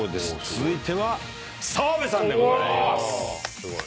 続いては澤部さんでございます。